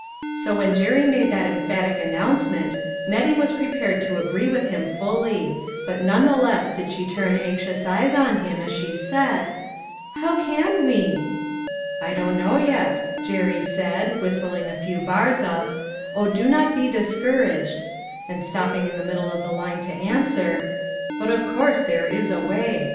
So when Jerry made that emphatic announcement, Nettie was pre pared to agree with him fully ; but none the less did she turn anxious eyes on him as she said: "How can we?_" "I don't know yet," Jerry said, whistling a few bars of Oh, do not be discouraged, 271 272 LITTLE FISHERS: AND THEIR NETS. and stopping in the middle of the line to answer, "But of course there is a way.